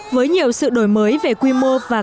với nhiều sự đổi mới về quy mô và